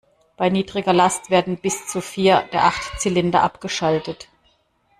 Bei niedriger Last werden bis zu vier der acht Zylinder abgeschaltet.